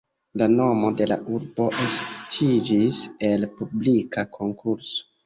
La nomo de la urbo estiĝis el publika konkurso.